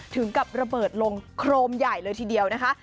ถึงกับระเบิดลงโครมใหญ่เลยทีเดียวนะคะ